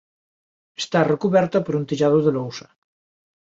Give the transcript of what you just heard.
Está recuberta por un tellado de lousa.